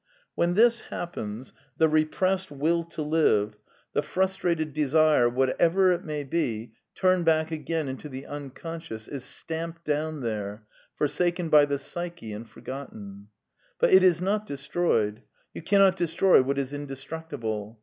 Wlien this happens, the repressed Will to live, the frus 8 A DEFENCE OF IDEALISM trated desire, whatever it may be, turned back again into the Unconscious, is stamped down there, forsaken by the psyche and forgotten. But it is not destroyed. You cannot destroy what is indestructible.